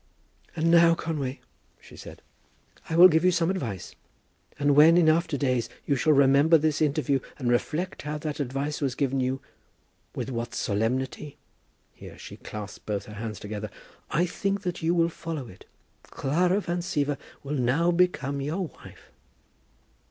"And now, Conway," she said, "I will give you some advice. And when in after days you shall remember this interview, and reflect how that advice was given you, with what solemnity," here she clasped both her hands together, "I think that you will follow it. Clara Van Siever will now become your wife."